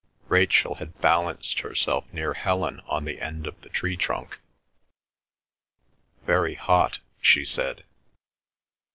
Rachel had balanced herself near Helen on the end of the tree trunk. "Very hot," she said.